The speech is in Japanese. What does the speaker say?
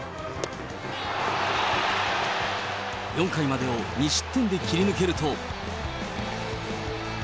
４回までを２失点で切り抜けると。